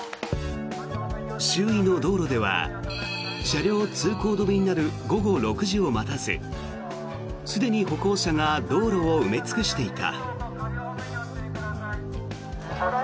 周囲の道路では車両通行止めになる午後６時を待たずすでに歩行者が道路を埋め尽くしていた。